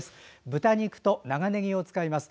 豚肉と長ねぎを使います。